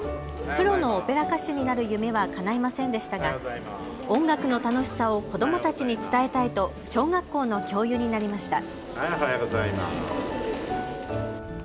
プロのオペラ歌手になる夢はかないませんでしたが音楽の楽しさを子どもたちに伝えたいと小学校の教諭になりました。